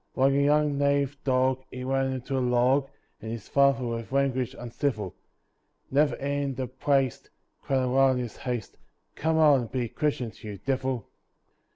Like a young native dog he ran into a log, And his father with language uncivil, Never heeding the "praste" cried aloud in his haste, "Come out and be christened, you divil!"